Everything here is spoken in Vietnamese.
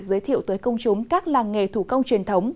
giới thiệu tới công chúng các làng nghề thủ công truyền thống